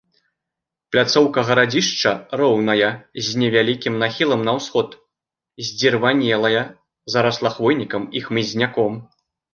Пляцоўка гарадзішча роўная, з невялікім нахілам на ўсход, здзірванелая, зарасла хвойнікам і хмызняком.